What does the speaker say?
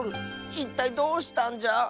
いったいどうしたんじゃ⁉